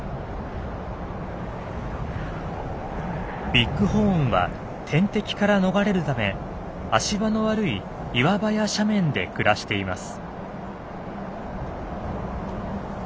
ビッグホーンは天敵から逃れるため足場の悪い岩場や斜面で暮らしています。